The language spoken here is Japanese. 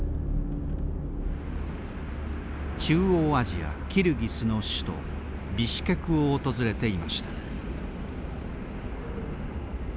中央アジアキルギスの首都ビシケクを訪れていました。